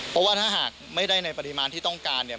เพราะว่าถ้าหากไม่ได้ในปริมาณที่ต้องการเนี่ย